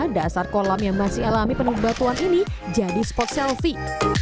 dan di luar kolam yang masih alami penuh batuan ini jadi spot selfie